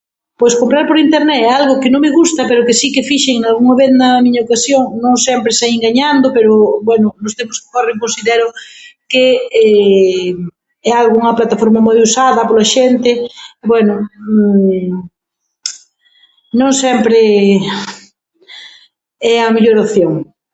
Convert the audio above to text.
Pois comprar por internet é algo que non me gusta, pero que si que fixen nalgunha vez, na miña ocasión, non sempre saín gañando, pero, bueno, nos tempos que corren considero que é algunha plataforma moi usada pola xente, bueno, non sempre é a mellor opción.